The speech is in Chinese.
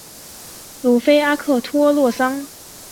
鲁菲阿克托洛桑。